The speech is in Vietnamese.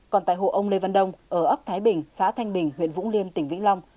còn tại hộ ông lê văn đông ở ấp thái bình xã thanh bình huyện vũng liêm tỉnh vĩnh long